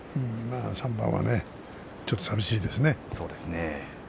３番はちょっとさみしいですね。